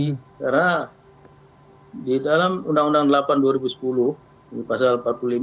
karena di dalam undang undang delapan dua ribu sepuluh pasal empat puluh lima